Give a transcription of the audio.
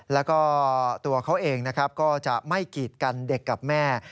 แล้วก็ตัวเขาเองนะครับก็จะไม่กีดกันเด็กกับแม่